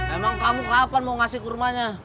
emang kamu kapan mau kasih kormanya